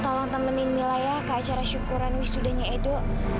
tolong temenin mila ya kak cara syukuran misalnya ibu